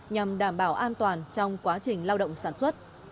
nhằm đảm bảo an toàn trong quá trình lao động sản xuất